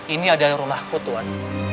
ini adalah rumahku tuan